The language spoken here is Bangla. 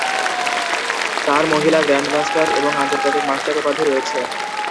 তার মহিলা গ্র্যান্ডমাস্টার এবং আন্তর্জাতিক মাস্টার উপাধি রয়েছে।